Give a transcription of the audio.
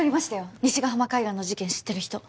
西ヶ浜海岸の事件知ってる人。